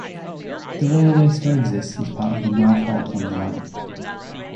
The railway still exists as part of the North Auckland Line.